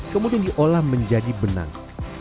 kemudian diolah menjadi benang